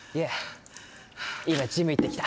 今、ジム行ってきた。